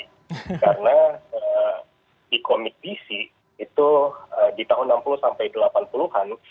karena di komik dc itu di tahun enam puluh an sampai delapan puluh an